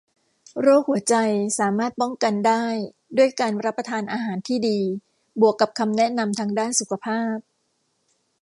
โรคหัวใจสามารถป้องกันได้ด้วยการรับประทานอาหารที่ดีบวกกับคำแนะนำทางด้านสุขภาพ